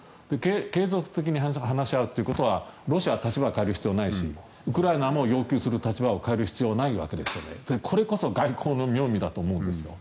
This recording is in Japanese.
継続的に話し合うということはロシアは立場を変える必要はないしウクライナも要求する立場を変える必要はないわけですからこれこそ外交の妙味だと思うんですよ。